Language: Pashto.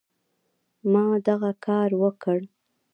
ما دغه کار وکړ.